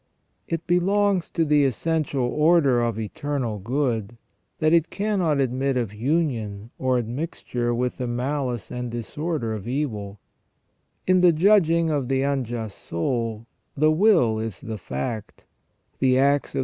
It belongs to the essential order of eternal good, that it cannot admit of union or admixture with the malice and disorder of evil In the judging of the unjust soul, the will is the fact ; the acts of * TertuUian, De Resurrectiotie Carnis, c.